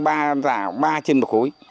ba trà ba trên một khối